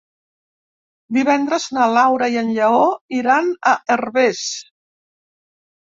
Divendres na Laura i en Lleó iran a Herbers.